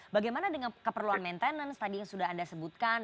bagaimana dengan keperluan maintenance tadi yang sudah anda sebutkan